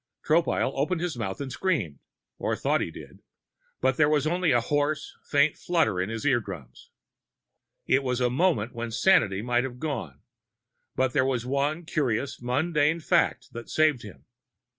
Tropile opened his mouth and screamed or thought he did. But there was only a hoarse, faint flutter in his eardrums. It was a moment when sanity might have gone. But there was one curious, mundane fact that saved him.